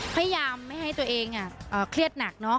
พยายามไม่ให้ตัวเองเครียดหนัก